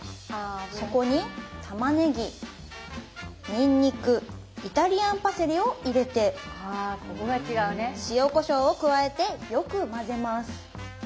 そこにたまねぎにんにくイタリアンパセリを入れて塩・こしょうを加えてよく混ぜます。